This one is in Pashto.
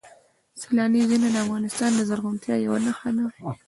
سیلاني ځایونه د افغانستان د زرغونتیا یوه نښه ده.